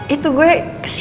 itu gue kesini